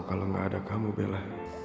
kalau gak ada kamu bella